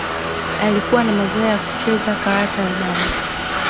Alikuwa na mazoea ya kucheza karata na damma